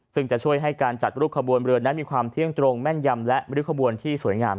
ซึ่งจะช่วยให้การจัดรูปขบวนเรือนั้นมีความเที่ยงตรงแม่นยำและริ้วขบวนที่สวยงาม